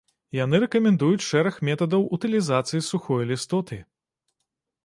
Яны рэкамендуюць шэраг метадаў утылізацыі сухой лістоты.